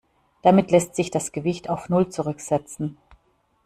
Damit lässt sich das Gewicht auf null zurücksetzen.